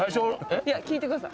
いや聞いてください